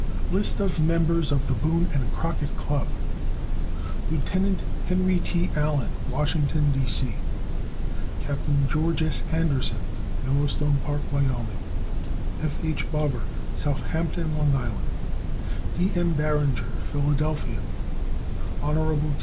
List of Members of the Boone and Crockett Club * Deceased. Lieut. Henry T. Allen, Washington, D. C. Capt. Geo. S. Anderson, Yellowstone Park, Wyo. F. H. Barber, Southampton, L. I. D. M. Barringer, Philadelphia, Pa. Hon.